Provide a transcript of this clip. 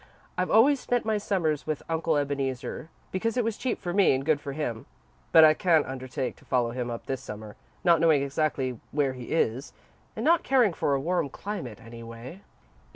I've always spent my Summers with Uncle Ebeneezer, because it was cheap for me and good for him, but I can't undertake to follow him up this Summer, not knowing exactly where he is, and not caring for a warm climate anyway."